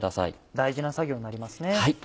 大事な作業になりますね。